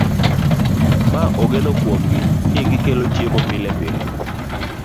Ma ogeno kuomgi ni gikelo chiemo pilepile